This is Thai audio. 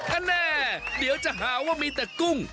อันแน่เดี๋ยวจะหาว่ามีแต่กุ้ง